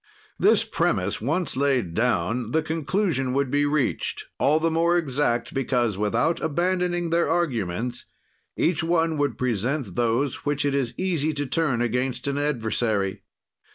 This premise once laid down, the conclusion would be reached; all the more exact, because, without abandoning their arguments, each one would present those which it is easy to turn against an adversary.